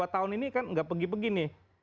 dua tahun ini kan nggak pergi pergi nih